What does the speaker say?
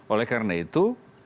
oleh karena itu